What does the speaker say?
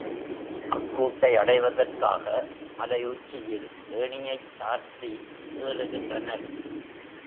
அக்கூட்டை அடைவதற்காக மலையுச்சியில் ஏணியைச் சார்த்தி ஏறுகின்றனர்.